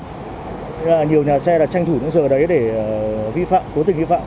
thế là nhiều nhà xe đã tranh thủ những giờ đấy để vi phạm cố tình vi phạm